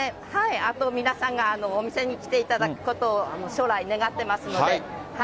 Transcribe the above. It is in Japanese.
あと皆さんが、お店に来ていただくことを、将来、願ってますので。